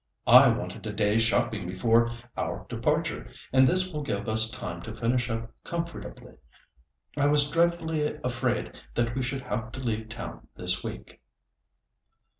I wanted a day's shopping before our departure, and this will give us time to finish up comfortably. I was dreadfully afraid that we should have to leave town this week."